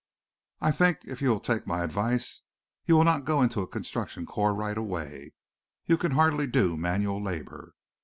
"I think, if you will take my advice, you will not go in a construction corps right away. You can hardly do manual labor.